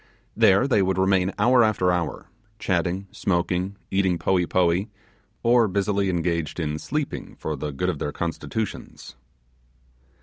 There they would remain hour after hour, chatting, smoking, eating poee poee, or busily engaged in sleeping for the good of their constitutions.